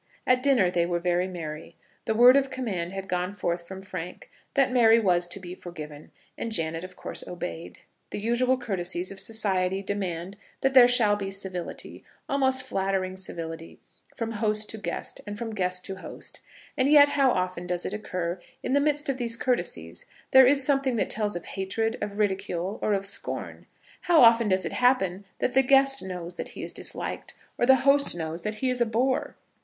At dinner they were very merry. The word of command had gone forth from Frank that Mary was to be forgiven, and Janet of course obeyed. The usual courtesies of society demand that there shall be civility almost flattering civility from host to guest, and from guest to host; and yet how often does it occur that in the midst of these courtesies there is something that tells of hatred, of ridicule, or of scorn! How often does it happen that the guest knows that he is disliked, or the host knows that he is a bore!